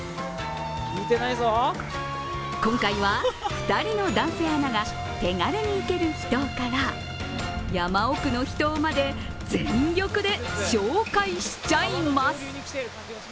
今回は２人の男性アナが手軽に行ける秘湯から、山奥の秘湯まで全力で紹介しちゃいます。